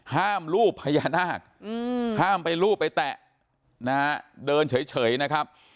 รูปพญานาคห้ามไปรูปไปแตะนะฮะเดินเฉยนะครับ